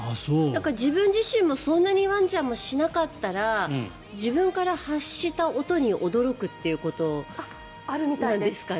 自分自身も、そんなにワンちゃんもしなかったら自分から発した音に驚くということなんですかね。